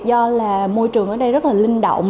do là môi trường ở đây rất là linh động